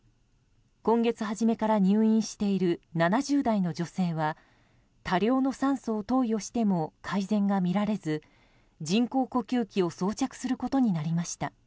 今月初めから入院している７０代の女性は多量の酸素を投与しても改善が見られず人工呼吸器を装着することになりました。